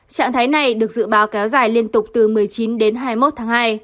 trạng thái này được dự báo kéo dài liên tục từ một mươi chín đến hai mươi một tháng hai